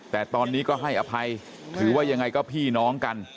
แต่ตอนนี้ก็ให้อภัยถือว่ายังไงก็พี่น้องกัน